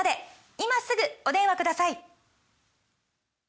今すぐお電話ください